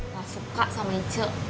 gak suka sama icuk